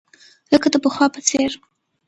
لکه د پخوا په څېر.